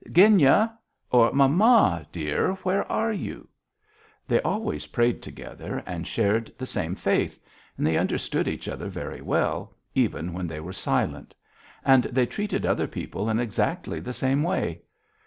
"Genya!" or "Mamma, dear, where are you?" They always prayed together and shared the same faith, and they understood each other very well, even when they were silent. And they treated other people in exactly the same way.